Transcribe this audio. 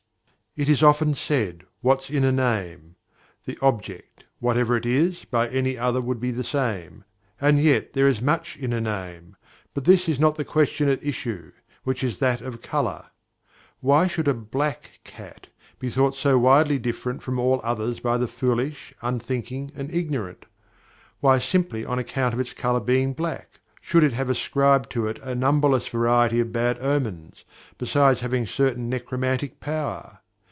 It is often said "What's in a name?" the object, whatever it is, by any other would be the same, and yet there is much in a name; but this is not the question at issue, which is that of colour. Why should a black cat be thought so widely different from all others by the foolish, unthinking, and ignorant? Why, simply on account of its colour being black, should it have ascribed to it a numberless variety of bad omens, besides having certain necromantic power?